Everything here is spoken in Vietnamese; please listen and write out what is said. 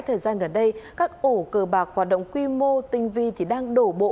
thời gian gần đây các ổ cờ bạc hoạt động quy mô tinh vi thì đang đổ bộ